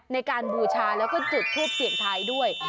บูชาแล้วก็จุดทูปเสี่ยงทายด้วย